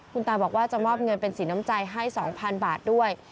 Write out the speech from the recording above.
คุณตาบอกว่าจะมอบเงินเป็นสีน้ำใจให้๒๐๐๐บาทด้วย